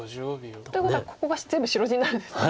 ということはここが全部白地になるんですね。